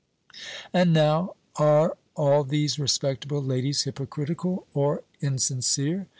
And, now, are all these respectable ladies hypocritical or insincere?